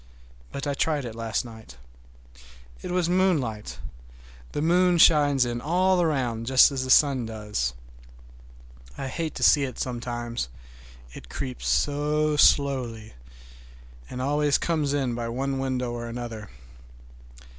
But I tried it last night. It was moonlight. The moon shines in all around, just as the sun does. I hate to see it sometimes, it creeps so slowly, and always comes in by one window or another.